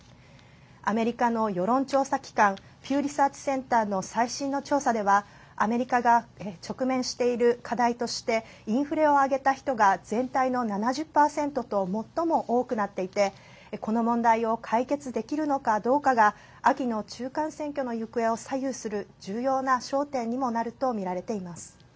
アメリカの世論調査機関ピューリサーチ・センターの最新の調査では、アメリカが直面している課題としてインフレを挙げた人が全体の７０％と最も多くなっていて、この問題を解決できるのかどうかが秋の中間選挙の行方を左右する重要な焦点にもなるとみられています。